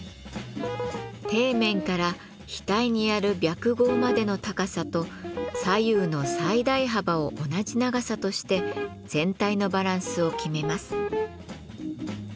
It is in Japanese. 底面から額にある白毫までの高さと左右の最大幅を同じ長さとして全体のバランスを決めます。